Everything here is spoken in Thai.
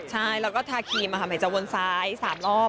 ใช่แล้วก็ทาครีมใหม่จะวนซ้าย๓รอบ